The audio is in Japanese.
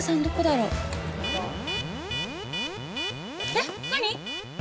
えっ何！？